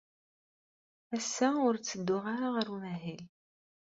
Ass-a, ur ttedduɣ ara ɣer umahil.